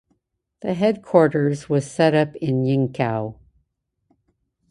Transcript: The headquarters was set up in Yingkou.